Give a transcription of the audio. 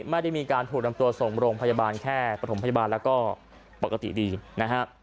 ไม่ได้มีการถูกนำตัวส่งโรงพยาบาลแค่ปฐมพยาบาลแล้วก็ปกติดีนะฮะ